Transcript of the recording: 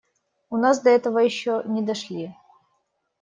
У нас до этого еще не дошли.